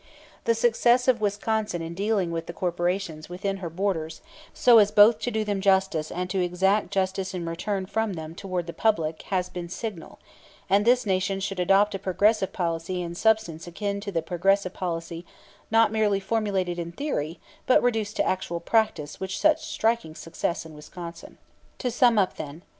The success of Wisconsin in dealing with the corporations within her borders, so as both to do them justice and to exact justice in return from them toward the public, has been signal; and this Nation should adopt a progressive policy in substance akin to the progressive policy not merely formulated in theory but reduced to actual practice with such striking success in Wisconsin. To sum up, then.